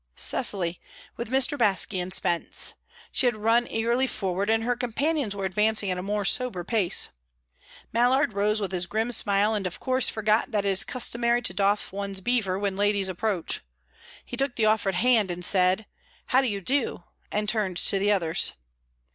Cecily, with Mrs. Baske and Spence. She had run eagerly forward, and her companions were advancing at a more sober pace. Mallard rose with his grim smile, and of course forgot that it is customary to doff one's beaver when ladies approach; he took the offered hand, said "How do you do?" and turned to the others.